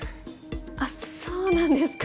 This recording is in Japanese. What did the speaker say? あそうなんですか？